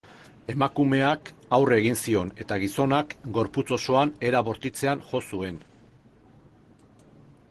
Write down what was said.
Emakumeak aurre egin zion eta gizonak gorputz osoan era bortitzean jo zuen.